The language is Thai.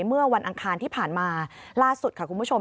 เมื่อวันอังคารที่ผ่านมาล่าสุดค่ะคุณผู้ชม